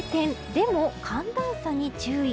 でも寒暖差に注意。